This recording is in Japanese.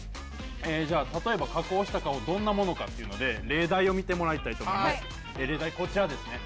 例えば、加工した顔、どんなものかっていうので、例題を見てもらいたいと思います。